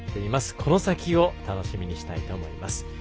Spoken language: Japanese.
この先を楽しみにしたいと思います。